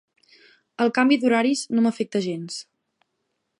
El canvi d'horaris no m'afecta gens.